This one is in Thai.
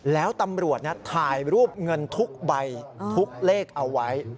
แล้วตำรวจถ่ายรูปเงินทุกใบทุกเลขเอาไว้